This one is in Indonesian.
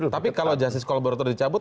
tapi kalau justice kolaborator dicabut